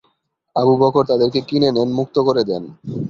আবু বকর তাদেরকে কিনে নেন মুক্ত করে দেন।